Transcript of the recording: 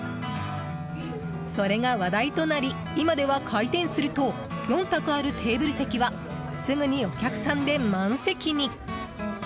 それが話題となり今では開店すると４卓あるテーブル席はすぐにお客さんで満席に。